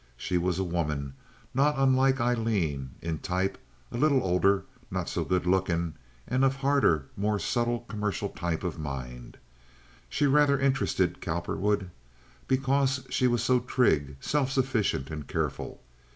She was a woman not unlike Aileen in type, a little older, not so good looking, and of a harder, more subtle commercial type of mind. She rather interested Cowperwood because she was so trig, self sufficient, and careful.